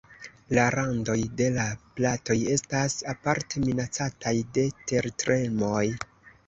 La randoj de la platoj estas aparte minacataj de tertremoj.